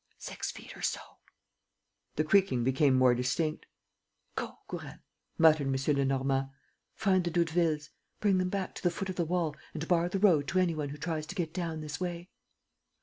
"Six feet or so." The creaking became more distinct. "Go, Gourel," muttered M. Lenormand, "find the Doudevilles, bring them back to the foot of the wall and bar the road to any one who tries to get down this way."